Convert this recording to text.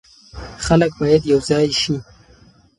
خلک باید یو ځای شي.